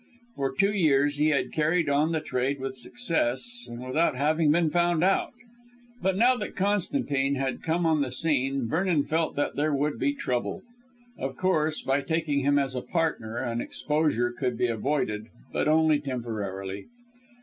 For two years he had carried on the trade with success and without having been found out. But now that Constantine had come on the scene, Vernon felt that there would be trouble. Of course, by taking him as a partner an exposure could be avoided, but only temporarily.